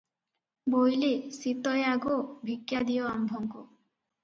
ବୋଇଲେ ସୀତୟା ଗୋ ଭିକ୍ଷା ଦିଅ ଆମ୍ଭଙ୍କୁ